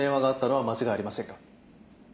はい。